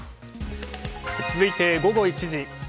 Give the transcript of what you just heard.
続いて午後１時。